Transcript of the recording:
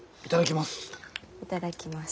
頂きます。